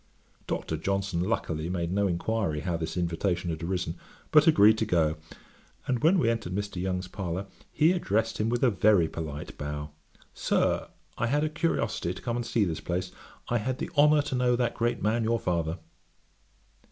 Dr. Johnson luckily made no inquiry how this invitation had arisen, but agreed to go, and when we entered Mr. Young's parlour, he addressed him with a very polite bow, 'Sir, I had a curiosity to come and see this place. I had the honour to know that great man, your father.'